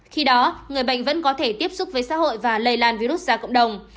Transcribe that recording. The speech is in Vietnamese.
khi đó người bệnh vẫn có thể tiếp xúc với xã hội và lây lan virus ra cộng đồng